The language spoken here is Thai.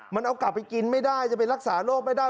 มันเอากลับไปกินไม่ได้จะไปรักษาโรคไม่ได้